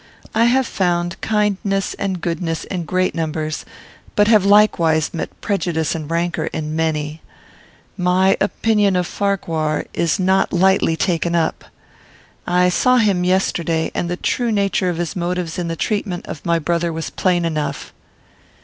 I have found kindness and goodness in great numbers, but have likewise met prejudice and rancor in many. My opinion of Farquhar is not lightly taken up. I saw him yesterday, and the nature of his motives in the treatment of my brother was plain enough."